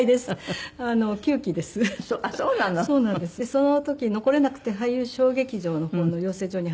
その時残れなくて俳優小劇場の方の養成所に入ったんです。